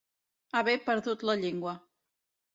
Haver perdut la llengua.